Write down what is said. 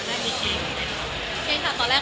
พอถ้าขอบคุณแล้วมีชีทมันด้วยนะรึง